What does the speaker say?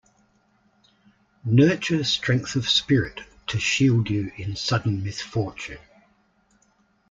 Nurture strength of spirit to shield you in sudden misfortune.